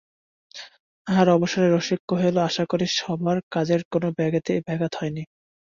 আহার-অবসানে রসিক কহিল, আশা করি সভার কাজের কোনো ব্যাঘাত হয় নি।